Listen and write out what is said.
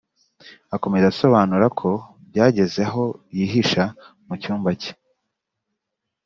Akomeza asobanura ko byageze aho yihisha mu cyumba cye